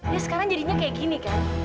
dia sekarang jadinya kayak gini kan